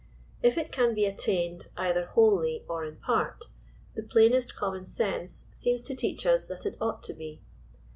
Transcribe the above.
If it can be attained) either wholly or in part, the plainest common sense seems to teach us that it ought to be.